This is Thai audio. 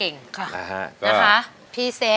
โอ้โฮ